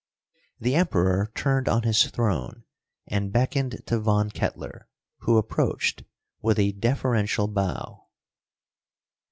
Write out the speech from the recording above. The Emperor turned on his throne and beckoned to Von Kettler, who approached with a deferential bow.